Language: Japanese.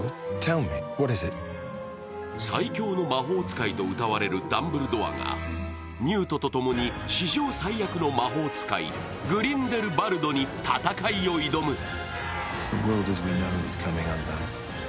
最強の魔法使いとうたわれるダンブルドアがニュートとともに史上最悪の魔法使い、グリンデルバルドに戦いを挑む。